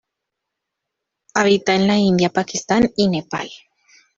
Habita en la India Pakistán y Nepal.